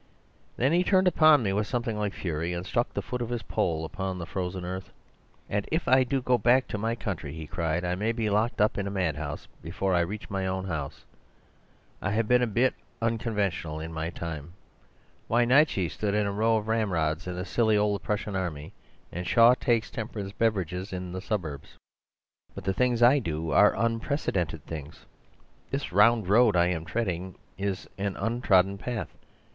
"Then he turned upon me with something like fury, and struck the foot of his pole upon the frozen earth. "'And if I do go back to my country,' he cried, 'I may be locked up in a madhouse before I reach my own house. I have been a bit unconventional in my time! Why, Nietzsche stood in a row of ramrods in the silly old Prussian army, and Shaw takes temperance beverages in the suburbs; but the things I do are unprecedented things. This round road I am treading is an untrodden path.